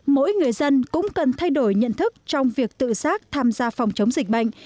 mỗi người dân cũng cần thay đổi nhận thức trong việc tự giác tham gia phòng chống dịch bệnh